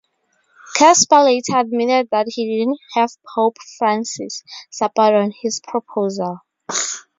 Kasper later admitted that he didn't have Pope Francis' support on his proposal.